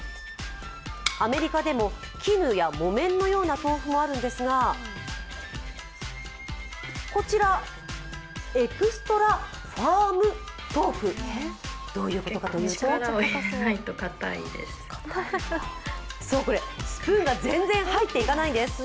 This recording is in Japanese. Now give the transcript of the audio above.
アメリカでも絹や木綿のような豆腐があるんですが、こちら、エクストラファームトウフどういうことかというとそうこれ、スプーンが全然入っていかないんです。